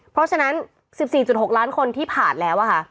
เพราะฉะนั้น๑๔๖ล้านคนที่ผ่านแล้วค่ะ